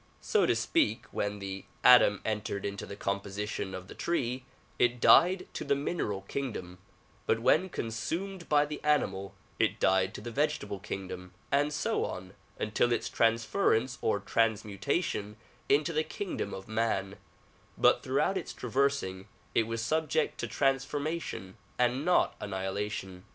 So to speak, when the atom entered into the composition of the tree, it died to the mineral kingdom, and wlien consumed by the animal, it died to the vegetable kingdom, and so on until its transference or transmutation into the kingdom of man ; but throughout its traversing it was subject to transformation and not annihilation.